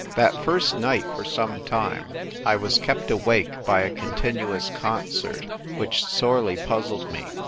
That first night, for some time, I was kept awake by a continuous concert, which sorely puzzled me.